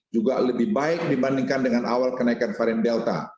juga lebih baik dibandingkan dengan awal kenaikan varian delta